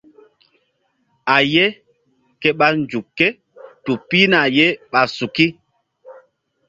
A ye ke ɓa nzuk ké tu pihna ye ɓa suki.